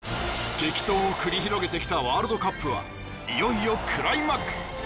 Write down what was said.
激闘を繰り広げてきたワールドカップはいよいよクライマックス！